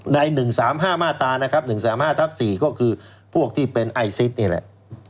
ใน๑๓๕มาตรานะครับ๑๓๕ทับ๔ก็คือพวกที่เป็นไอซิสนี่แหละ